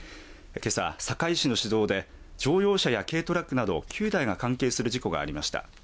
けさ、坂井市の市道で乗用車や軽トラックなど９台が関係する事故がありました。